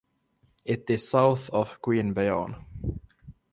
It is south of Queanbeyan.